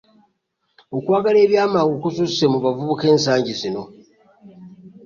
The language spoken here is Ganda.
Okwagala eby'amangu kususse mu bavubuka ensangi zino.